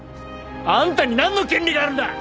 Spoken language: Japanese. あんたになんの権利があるんだ！